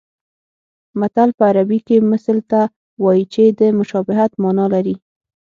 متل په عربي کې مثل ته وایي چې د مشابهت مانا لري